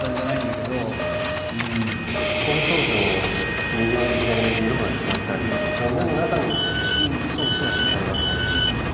この少女も右目と左目で色が違ったり目の中にいわゆる色彩があったりだとか。